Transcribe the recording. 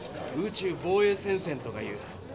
「宇宙防衛戦線」とかいう。